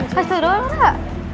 kasih duan ra